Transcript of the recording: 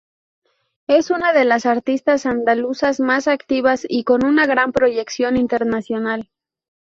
Es una de las artistas andaluzas más activas y con una gran proyección internacional.